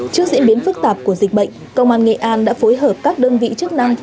trước diễn biến phức tạp của dịch bệnh công an nghệ an đã phối hợp các đơn vị chức năng